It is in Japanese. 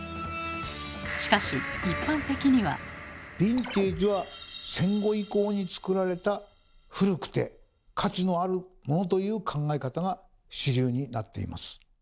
しかしヴィンテージは「戦後以降に作られた古くて価値のあるモノ」という考え方が主流になっています。